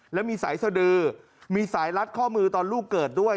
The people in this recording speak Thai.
แล้วมีสายสดือมีสายรัดข้อมือตอนลูกเกิดด้วย